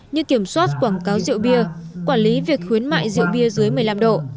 như kiểm soát quảng cáo rượu bia quản lý việc khuyến mại rượu bia dưới một mươi năm độ